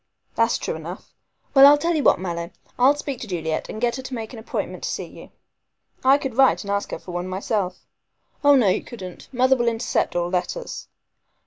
"That's true enough. Well, I'll tell you what, Mallow, I'll speak to Juliet and get her to make an appointment to see you." "I could write and ask her for one myself." "Oh, no, you couldn't. Mother will intercept all letters."